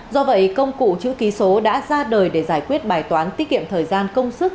do vậy công cụ chữ ký số đã ra đời để giải quyết bài toán tiết kiệm thời gian công sức